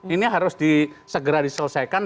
ini harus segera diselesaikan